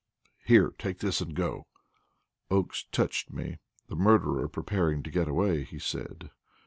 "Here, take this, and go!" Oakes touched me. "The murderer preparing to get away," he said.